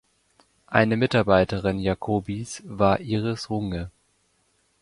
Eine Mitarbeiterin Jacobys war Iris Runge.